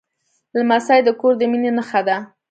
لمسی د کور د مینې نښه ده.